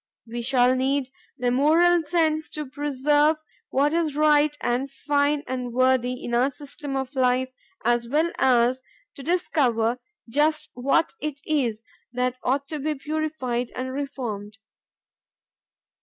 We shall need their moral sense to preserve what is right and fine and worthy in our system of life as well as to discover just what it is that ought to be purified and reformed.